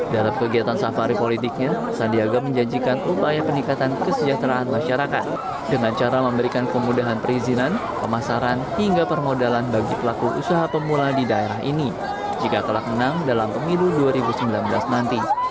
dalam kegiatan safari politiknya sandiaga menjanjikan upaya peningkatan kesejahteraan masyarakat dengan cara memberikan kemudahan perizinan pemasaran hingga permodalan bagi pelaku usaha pemula di daerah ini jika telah menang dalam pemilu dua ribu sembilan belas nanti